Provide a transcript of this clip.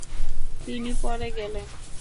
তিনি পরে গেলেন।